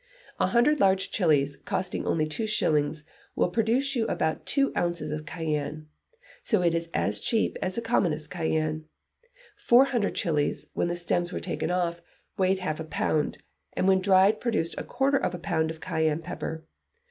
A hundred large chilis, costing only two shillings, will produce you about two ounces of cayenne, so it is as cheap as the commonest cayenne. Four hundred chilis, when the stems were taken off, weighed half a pound; and when dried produced a quarter of a pound of cayenne pepper.